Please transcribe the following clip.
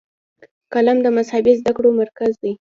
قم د مذهبي زده کړو مرکز دی.